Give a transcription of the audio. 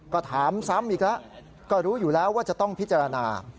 ก็ถามซ้ำอีกแล้วก็รู้อยู่แล้วว่าจะต้องพิจารณา